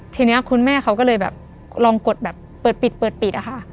ทีนี้คุณแม่เขาก็เลยแบบลองกดแบบเปิดปิดเปิดปิดอะค่ะ